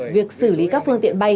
việc xử lý các phương tiện bay